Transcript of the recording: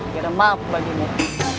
biar maaf bagi nek